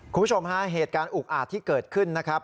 คุณผู้ชมฮะเหตุการณ์อุกอาจที่เกิดขึ้นนะครับ